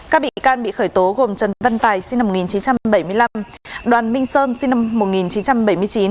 các bị can bị khởi tố gồm trần văn tài sinh năm một nghìn chín trăm bảy mươi năm đoàn minh sơn sinh năm một nghìn chín trăm bảy mươi chín